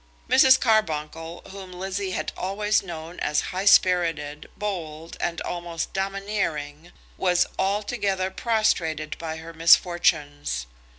Mrs. Carbuncle, whom Lizzie had always known as high spirited, bold, and almost domineering, was altogether prostrated by her misfortunes.